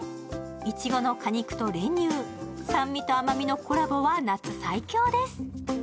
いちごの果肉と練乳、酸味と甘みのコラボは夏最強です。